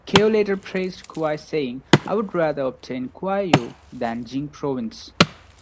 Cao later praised Kuai, saying, I would rather obtain Kuai Yue than Jing Province.